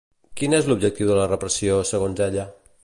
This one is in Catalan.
Quin és l'objectiu de la repressió, segons ella?